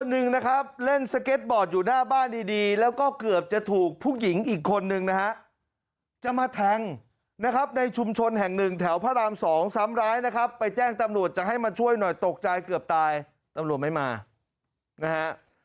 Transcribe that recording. หนึ่งนะครับเล่นสเก็ตบอร์ดอยู่หน้าบ้านดีดีแล้วก็เกือบจะถูกผู้หญิงอีกคนนึงนะฮะจะมาแทงนะครับในชุมชนแห่งหนึ่งแถวพระรามสองซ้ำร้ายนะครับไปแจ้งตำรวจจะให้มาช่วยหน่อยตกใจเกือบตายตำรวจไม่มานะฮะ